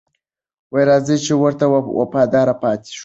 راځئ چې ورته وفادار پاتې شو.